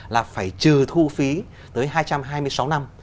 là phải trừ thu phí tới hai trăm hai mươi sáu năm